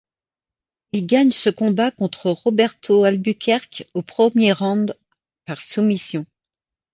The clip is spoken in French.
Il gagne ce combat contre Roberto Albuquerque au premier round par soumission.